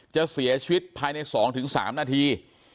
จะเสียชีวิตภายใน๒๓นาที